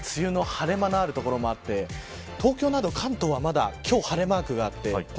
今週は梅雨の晴れ間のある所もあって東京など関東はまだ今日、晴れマークがあって